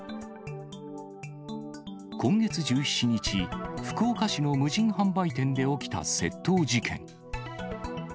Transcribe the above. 今月１７日、福岡市の無人販売店で起きた窃盗事件。